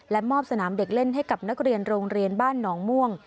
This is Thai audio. มอบสนามเด็กเล่นให้กับนักเรียนโรงเรียนบ้านหนองม่วง